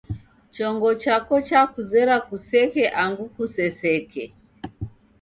Chongo chako chakuzera kuseke angu kuseseke.